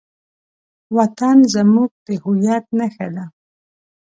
وطن زموږ د هویت نښه ده.